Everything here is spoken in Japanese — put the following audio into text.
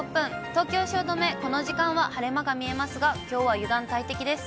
東京・汐留、この時間は晴れ間が見えますが、きょうは油断大敵です。